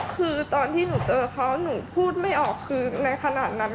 คือตอนที่หนูเจอเขาหนูพูดไม่ออกคือในขณะนั้น